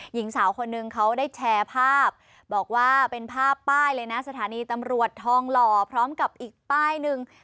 หญิงสาวคนนึงเขาได้แชร์ภาพบอกว่าเป็นภาพป้ายเลยนะสถานีตำรวจทองหล่อพร้อมกับอีกป้ายหนึ่ง